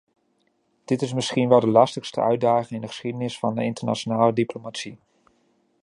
Dit is misschien wel de lastigste uitdaging in de geschiedenis van de internationale diplomatie.